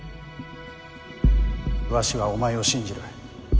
わしはお前を信じる。